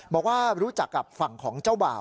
บอกว่ารู้จักกับฝั่งของเจ้าบ่าว